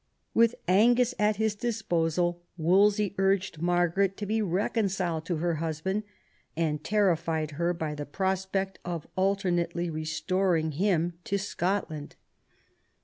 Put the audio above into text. With Angus at his disposal Wolsey urged Margaret to be reconciled to her husband, and terrified her by the prospect of alternately restoring him to Scotland.